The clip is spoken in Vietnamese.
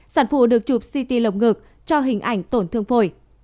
sản phụ được chụp ct lồng ngực cho hình ảnh tổn thương phổi